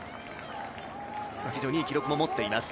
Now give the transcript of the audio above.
非常にいい記録を持っています。